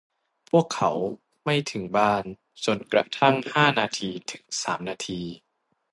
พวกเขาไม่ถึงบ้านจนกระทั่งห้านาทีถึงสามนาที